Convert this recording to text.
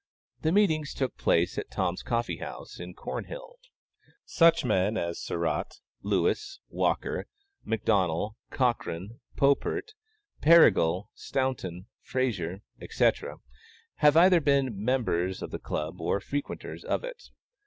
The meetings took place at Tom's Coffee House, in Cornhill. Such men as Sarratt, Lewis, Walker, McDonnel, Cochrane, Popert, Perigal, Staunton, Fraser, etc., have either been members of the Club or frequenters of it.